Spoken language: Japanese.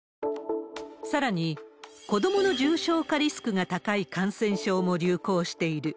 さらに、子どもの重症化リスクが高い感染症も流行している。